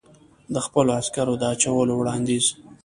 د خپلو عسکرو د اچولو وړاندیز.